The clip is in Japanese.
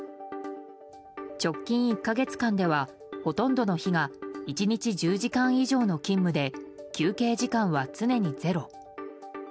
直近１か月間ではほとんどの日が１日１０時間以上の勤務で休憩時間は常にゼロ。